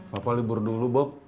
papa libur dulu bob